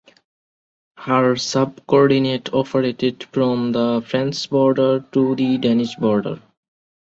Her subordinates operated from the French border to the Danish border.